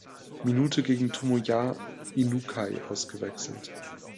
Minute gegen Tomoya Inukai ausgewechselt.